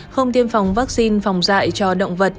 không tiêm phòng vắc xin phòng dại cho động vật